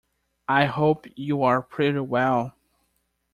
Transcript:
I hope you are pretty well?